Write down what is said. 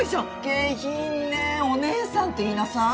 下品ねおねえさんって言いなさい。